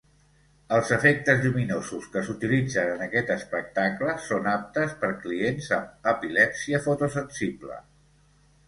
Els efectes lluminosos que s'utilitzen en aquest espectacle són aptes per clients amb epilèpsia fotosensible.